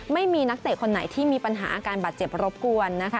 ไม่มีนักเตะคนไหนที่มีปัญหาอาการบาดเจ็บรบกวนนะคะ